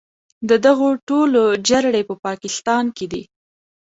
د دغو ټولو جرړې په پاکستان کې دي.